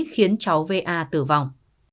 khiến cháu va tử vọng